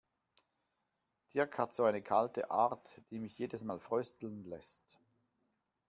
Dirk hat so eine kalte Art, die mich jedes Mal frösteln lässt.